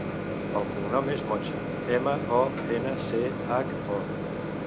El cognom és Moncho: ema, o, ena, ce, hac, o.